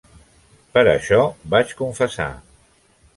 Per això vaig confessar.